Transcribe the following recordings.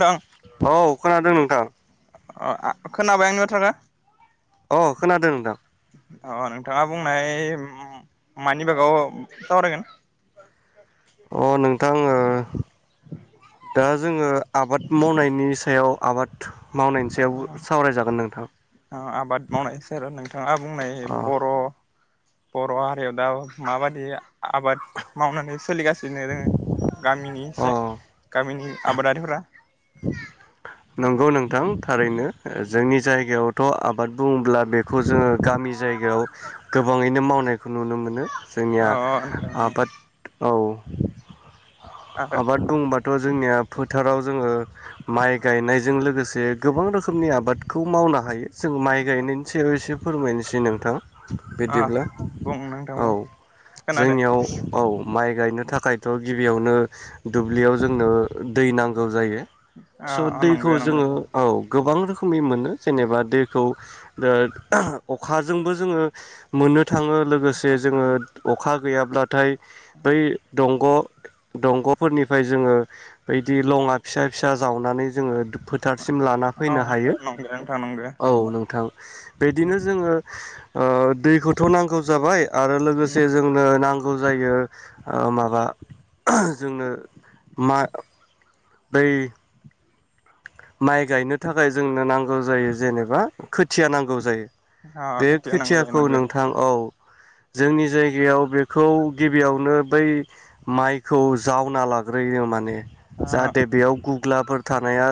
नोंथां औ खोनादों नोंथां। अ आ खोनाबाय आंनि बाथ्राखो? अ खोनादों नोंथां। अ नोंथाङा बुंनाय मानिबागाव सावरायगोन? अ नोंथां ओ दा जोङो आबाद मावनायनि सायाव आबाद मावनायनि सायाव सावरायजागोन नोंथां आबाद मावनाय सायाव नोंथाङा बुंनाय। अ बर' बर' हारियाव दा माबायदि आबाद मावनानै सोलिगासिनो दोङो गामिनि अ से गामिनि आबादारिफ्रा? नंगौ नोंथां थारैनो जोंनि जायगायावथ' आबाद बुङोब्ला बेखौ जोङो गामि जायगायाव गोबाङैनो मावनायखौ नुनो मोनो। अ जोंनिया नोंथां आबाद औ। आरो आबाद बुंबाथ' जोंनिया फोथाराव जोङो माइ गायनायजों लोगोसे गोबां रोखोमनि आबादखौ मावनो हायो। जों माइ गायनायनि सायाव एसे फोरमायनोसै नोंथां। अ बिदिब्ला बुं नोंथां औ बुं खोनादों जोंनियाव औ माइ गायनो थाखायथ' गिबियावनो दुब्लियाव जोंनो दै नांगौ जायो। स' अ दैखौ नंगौ नंगौ जोङो औ। गोबां रोखोमै मोनो जेनेबा दैखौ ओ अखाजोंबो जोङो मोनो थाङो लोगोसे जोङो अखा गैयाब्लाथाय बै दंग दंग'फोरनिफ्राय जोङो बिदि लङा फिसा फिसा जावनानै जोङो फोथारसिम लाना अ फैनो हायो। नंगौ नोंथां नंगौ औ नोंथां। बिदिनो जोङो ओ दैखौथ' नांगौ जाबाय। आरो लोगोसे जोंनो नां गौ जायो ओ माबा जोंनो मा दैै माइ गायनो थाखाय जोंनो नांगौ जायो जेनेबा खोथिया नांगौ जायो। अ बे खोथिया नांगौ जायो खोथियाखौ नंगौ नोंथां औ जोंनि जायगायाव बेखौ गिबियावनो बै माइखौ जावना लाग्रोयो माने जाहाथे अ बेयाव ग्लाफोर थानाया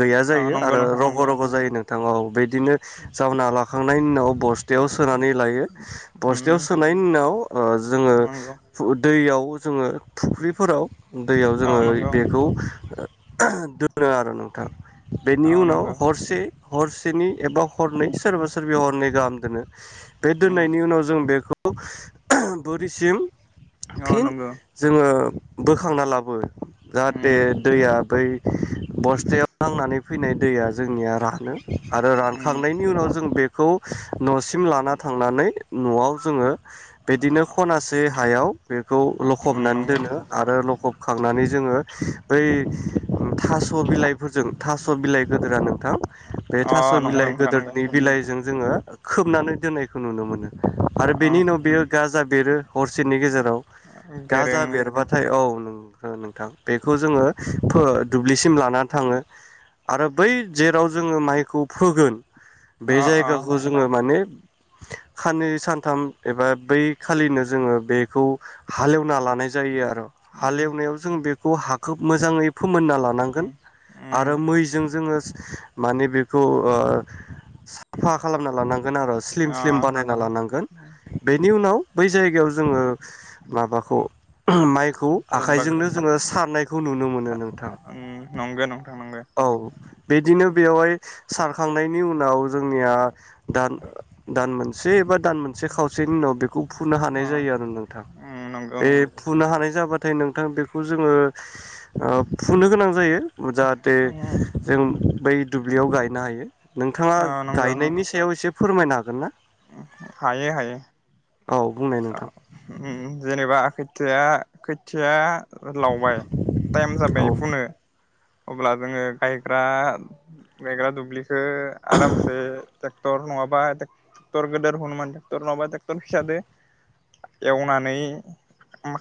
गैया जायो नंगौ आरो नोंथां रग' रग' जायो नों [unintelligible] बिदिनो जावना ला खांनायनि उनाव बस थायाव सोनानै लायो नंगौ बस्थायायाव सोनायनि उनाव ओ जोङो नंगौ दैयाव खौ जोङो फुख्रिफोराव दैयाव औ जोङो नंगौ बेखौ होनो आरो नोंथां औ बेनि उनाव नंगौ हरसे हरसेनि एबा हरनै सोरबा सोरबि हरनै गाहाम दोनो बे औ दोननायनि उनाव जों बेखौ [unintelligible] बोरिसिम नंगौ फिन नंगौ जोङो बोखांना लाबो जाहाथे दैया बै बस्थायाव नांनानै फैनाय दैया जोंनिया रानो आरो रानखांनायनि उनाव जों बे खौ न'सिम लाना थांनानै न'आव जोङो बिदिनो खनासे हायाव बेखौ लखबनानै दोनो आरो लखबखांनानै जोङो बै थास बिलाइफोरजों थास'बिलाइ गादोरा नोंथां बे थास' अ नंगौ बिलाइ नोंथां नंगौ गोदोरनि बिलाइजों जोङो खोबनानै दोननायखौ नुनो मोनो। आरो बेनि उनाव बेयो गाजा बेेरो हरसेनि गेजेराव गाजा बेरें बेरबाथाय औ नों ओ नोंथां बेखौ जोङो फो दुब्लि सिम लानान थाङो। आरो बै जेराव जोङो माइखौ फोगोन बे अ अ जायगाखौ जोङो माने साननै सानथाम एबा बै खालिनो जोङो बेखौ हालेवना लानाय जायो आरो। हालेवनायाव जों बेखौ हा खोब मोजाङै फोमोना ला आरो मैजों जोङो माने बेखौ ओ साफा खालाम ना लानांगोन आरो स्लिम अ स्लिम बानायना लानांगोन बेनि उनाव बै जायगायाव जोङो माबाखौ माइखौ जेनेबा आखाइजोंनो जोङो सारनायखौ नुनो मोनो नोंथां। नंगौ नोंथां नंगौ औ बिदिनो बेवहाय सारखांनायनि उनाव जोंनिया दान दान मोनसे एबा दान मोनसे खावसेनि उनाव बेखौ फुनो अ हानाय जायो आरो नोंथां नंगौ बे फुनो हानाय जाबा नाथाय नोंथां बेखौ जोङो ओ फुनो गोनां जायो जाहाथे अ जों बै दुब्लियाव गायनो हायो। नोंथाङा नंगौ गायनायनि सायाव एसे फोरमायनो हागोन ना? हायो हायो । औ बुंनाय औ नोंथां उम जेनेबा खोथिया खोथिया लावबाय टाइम औ जाबाय फुनो अब्ला जोङो गायग्रा गायग्रा दुब्लि खो आरामसे ट्रेक्टर नङाबा ट्रेक्टर गेदेर हुनोमान ट्रेक्टर नङाब ट्रेक्टर फिसादो एवनानै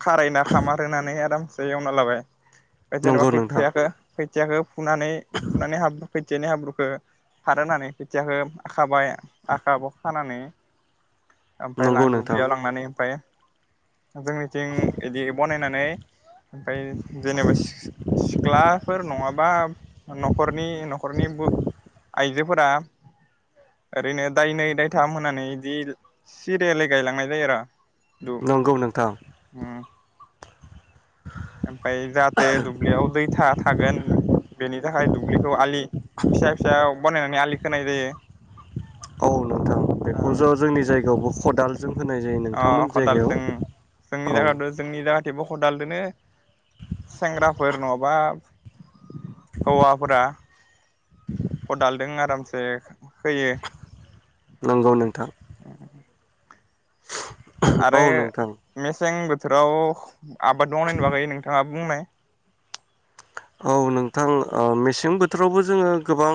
खारायना खामार होनानै आराम दा एवना लाबाय दा जेनेबा नंगौ नोंथां खोथियाखो खोथियाखौ फुनानै फुनानै हाब खोथियानि हाब्रुखौ खार होनानै खोथियाखौ खाबाय आखाखौ खानानै नंगौ नोंथां । नै उमफ्राय जोंनिथिं बिदि बनायनानै ओमफ्राय जेनेबा सिख्लाफोर नङाबा न'खरनि न'खरनि आइजोफोरा ओरैनो दायनै दायथाम होनानै बिदि सिरियेलै गायलांनाय जायो आरो दु नंगौ नोंथां उम ओमफाय जाहाथे दुब्लियाव दैथा थागोन बेनि थाखाय दुब्लिखौ आलि फिसा फिसा बानायनानै आलि खोनाय जायो। औ नोंथां बेखौ ज' जोंनि जायगायावबो खदाल अ खदालजों औ जोंनि जायगाथ' जोंनि जा देबो खदालदोनो सेंग्राफोर नङाबा हौवाफोरा खदालदों आरामसे होयो नंगौ नोंथां औ आरो नोंथां मेसें बोथ थोराव आबाद मावनायनि बागै नोंथाङा बुंनाय औ नोंथां मेसें ओ बोथोरावबो जोङो गोबां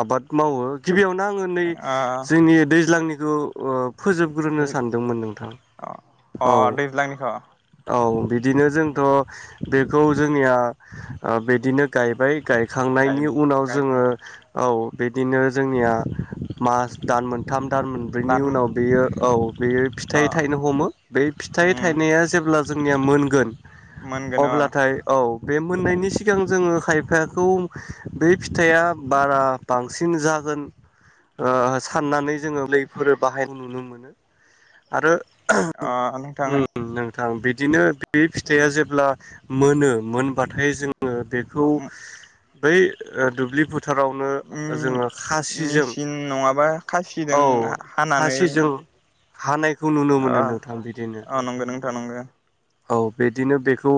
आबाद मावो गिबियावनो आङो नै ओ जोंनि दैज्लांनि खौ ओब फोजोबग्रोनो दै सानदोंमोन नोंथां अ औ दैज्लांनिखौ औ बिदिनो जोंथ' बेखौ जोंनिया ओ बिदिनो गायबाय गाय गायखांनायनि उनाव गायखां जोङो औ बिदिनो जोंनिया मास दान मोन थाम दान मोनब्रैनि दान उनाव बेयो औ बेयो अ फिथाइ थाइनो हमो बे उम फिथाइ थाइनाया अब्ला जोंनिया मोनगोन। मोनगोन अ अब्लाथाय औ बे मोननायनि सिगां जोङो खायफाखौ बे फिथाइया बारा बांसिन जागोन ओ साननानै जोङो लैफोरो बाहाय नुनो मोनो आरो अ नोंथां थां बिदिनो बे फिथाइया जेब्ला मोनो मोनबाथाय जों ङो बेखौ बै ओ दुब्लि फोथ मेसिन नङाबा खासिदों हानानै। हानाय। खौ नुनो अ मोनो नोंथां बिदिनो। अ नंगौ नोंथां नंगौ औ बे दिनो बेखौ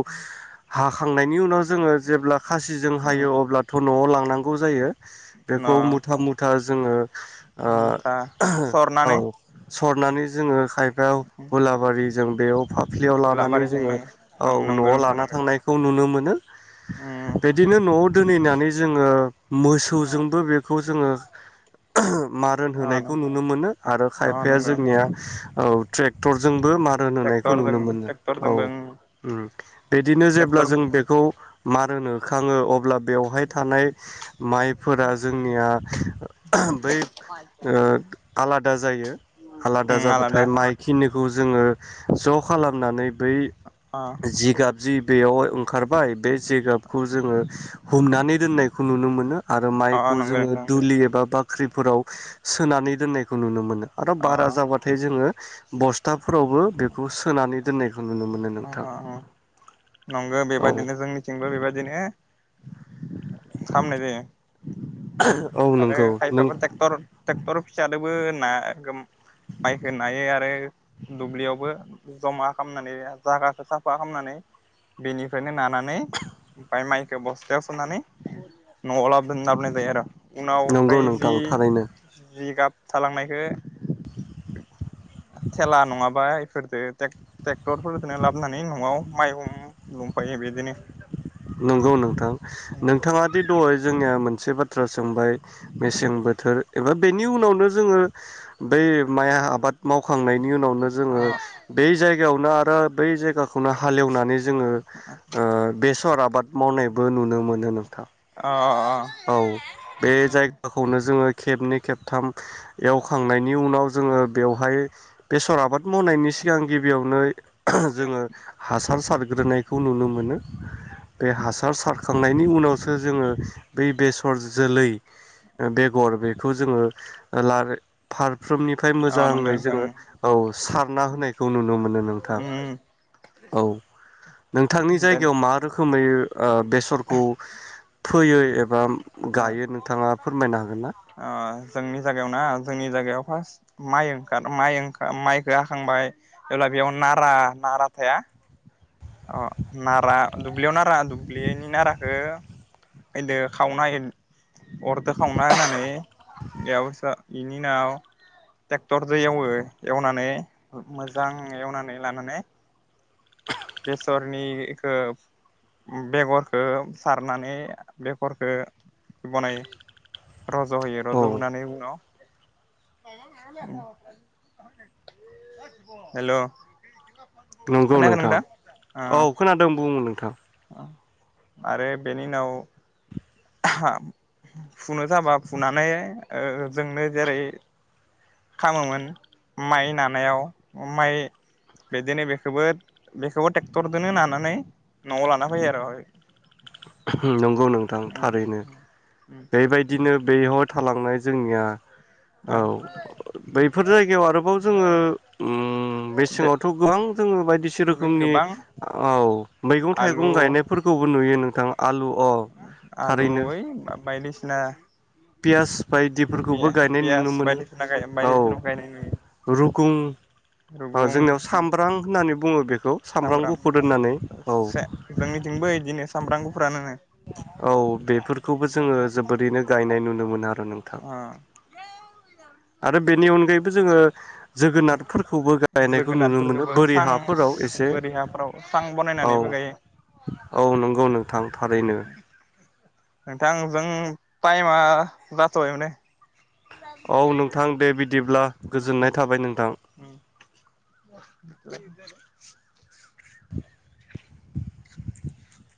हाखांनायनि उनाव जोङो जेब्ला खासिजों उम हायो अब्ला नआव लांनांगौ जायो। बेखौ न मुथा मुथा। जोङो। ओ मुथा औ सरनानै सरनानै जोङो खायफायाव हुलाबारि जों बेयाव फ्लियाव लानानै हुलाबारिजों जोङो लाङो औ ओं नंगौ नआव नोंथां लाना नंगौ थांनायखौ नुनो मोनो। उम बिदिनो नआव। दोनहैनानै जों जोङो अ मोसौजोंबो बेखौ जोङो [inaudible] मारोन अ होनायखौ नुनो मोनो। आरो अ खायफाया नंगौ नोंथां जोंनिया औ ट्रेक्टरजोंबो मारोन होनाय खौ ट्रेक्टरजों नुनो मोनो ट्रेक्टरजोंबो औ उम बिदिनो जेब्ला ट्रेक्टर जों बेखौ मा रोन होखाङो अब्ला बेवहाय थानाय माइफोरा जोंनिया बै ओ आलादा जायो आलादा जाबाथाय माइखिनि खौ जोङो ज' खाला नानै बै अ जिगाब जि बेयाव ओंखारबाय बे जिगाबखौ जोङो हुंनानै दोननायखौ नुनो मोनो आरो अ माइखौ नंगौ जोङो नोंथां दुलि एबा बा ख्रिफोराव सोनानै दोननायखौ नुनो मोनो। आरो बारा अ जाबाथाय जोङो बस्थाफोरावबो बे नंगौ औ बेबायदिनो जोंनिथिंबो बेबायदिनो खामनाय जायो। औ आरो नंगौ नों खायफाबा ट्रेक्टर ट्रेक्टर। फिसादोबो ना माइखौ नायो आरो दुब्लियावबो जमा खालामनानै जागाखौ साफा खालामनानै बेनिफ्रायनो नानानै ओमफाय माइखौ बस्थायाव सोनानै न'आव लाबोदों लाबोनाय जायो आरो। उनाव नंगौ ओमफाय जि नोंथां थारैनो जिगाब थालांनायखौ [inaudible] थेला नङाबा इफोरजों टेक-टेक्टरफोरजोंनो लाबोनानै न'आव माइहुं लुफैयो बिदिनो। नंगौ नोंथां नोंथाङा दि दहाय जोंनिया मोनसे बाथ्रा सोंबाय मेसें बोथोर एबा बेनि उनावनो जोङो बै माइ आबाद मावखांनायनि उनावनो जोङो अ बै जायगायावनो आरो बै जायगाखौनो हाल एवनानै जोङो ओ बेस सर आबाद मावनायबो नुनो मोनो नोंथां। [inaudible] औ बे अ जायगाखौनो जोङो खेबनै खेबथाम एवखांनायनि उनाव जोङो बेवहाय बेसर आबाद मावनायनि सिगां गिबियावनो जोङो हा सारग्रोनायखौ नुनो मोनो बे हासार सारखांनायनि उनावसो जोङो [inaudible] बै बेसर जोलै बेगर बेखौ जोङो लार फार फारफ्रोमनिफ्राय औ नंगौ मोजाङै नोंथां जोङो औ सारना होनायखौ नुनो मोनो नोंथां उम औ नोंथांनि बे जायगायाव मा रोखोमै ओ बेसरखौ फैयो राम ओ गायो नोंथाङा फोरमायनो हागोन ना? जोंनि जायगायाव ना जोंनि जायगायाव फार्स्ट माइ ओंखार माइ ओंखार माइखौ हाखांबाय जेब्ला बेयाव नारा नारा थाया अ नारा दुब्लियाव नारा दुब्लिनि नाराखौ दो खावना हो अरदो खावना होनानै बेयावस बेनि उनाव ट्रेक्टरजों एवो एवनानै मोजां एवनानै लानानै बेसरनिखौ बेगरखौ सारनानै बेगरखौ बनायो। रज' होयो औ रज' होनानै उनाव हेल' नंगौ नोंथां औ ओ खोनादों बुङो नोंथां आरो बेनि उनाव फुनो जाबा फुनानै ओ जोंनो जेरै खामोमोन माइ नानायाव माइ बिदिनो बेखौबो बेखौबो ट्रेक्टरजोंनो नानानै न'आव लाना फैयो आरो नंगौ नोंथां उम थारैनो उम बेबायदिनो बेयाव थालांनाय जोंनिया औ बैफोर जायगायाव आरोबाव जोङो ओ मेसेङावथ' गोबां जोङो बायदिसि ओ बे रोखोमनि गोबां औ मैगं आलु थाइगं गायनायफोरखौबो नुयोनो [inaudible] आलु ओइ बायदिसिना पियास बायदिफोरखौबो पियास गायनाय पियास नुनो मोनो बायदिसिना औ बायदिसिना गायनाय नुयो रुप गुं औ रुगुं जोंनियाव सामब्राम होननानै बुङो बेखौ सामब्राम गुफुर होननानै औ से जोंनिथिंबो इदिनो सामब्राम गुफुरानोनो औ बेफोरखौबो जोङो जोबोरैनो गायनाय नुनो मोनो आरो नोंथां। ओ आरो बेनि अनगायैबो जोङो जोगोनारफोरखौबो गायनायखौ नुनो मोनो जोगोनारफोरखौबो बोरि सां हाफोराव एसे। बोरि हाफ्राव सां औ बनायनानैबो गायो औ नोंगौ नोंथां। थारैनो। नोंथांजों टाइमा जाथ'बाय माने। औ नोंथां दे उम बिदिब्ला उम उम गोजोननाय उम थाबाय नोंथां। उम। [inaudible] [inaudible]